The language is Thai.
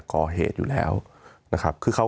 มีความรู้สึกว่ามีความรู้สึกว่า